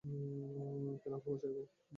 কেন ক্ষমা চাইব?